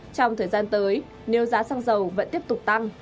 trong thời gian tới nếu giá xăng dầu vẫn tiếp tục tăng